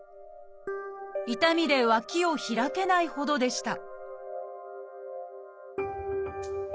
痛みで脇を開けないほどでした